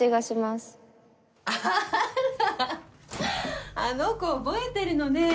アハハハハあの子覚えてるのねえ。